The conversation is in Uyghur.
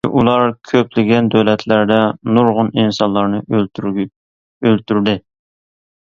چۈنكى ئۇلار كۆپلىگەن دۆلەتلەردە نۇرغۇن ئىنسانلارنى ئۆلتۈردى.